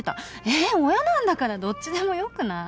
え親なんだからどっちでもよくない？